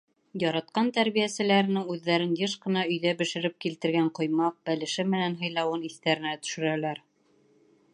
Яратҡан тәрбиәселәренең үҙҙәрен йыш ҡына өйҙә бешереп килтергән ҡоймаҡ, бәлеше менән һыйлауын иҫтәренә төшөрәләр.